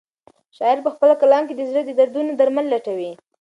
شاعر په خپل کلام کې د زړه د دردونو درمل لټوي.